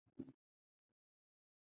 春末及夏季的巴里常有雷暴。